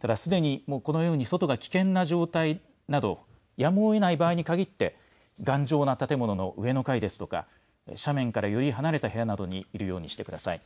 ただすでにもうこのように外が危険な状態など、やむをえない場合に限って頑丈な建物の上の階ですとか斜面からより離れた部屋などに入るようにしてください。